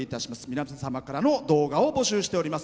皆様からの動画をお待ちしております。